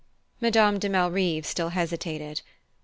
Madame de Malrive still hesitated.